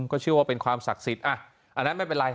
ก็เชื่อว่าเป็นความศักดิ์สิทธิ์อันนั้นไม่เป็นไร